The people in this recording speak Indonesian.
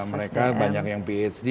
mereka banyak yang phd